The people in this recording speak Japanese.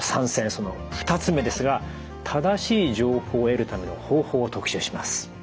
その２つ目ですが正しい情報を得るための方法を特集します。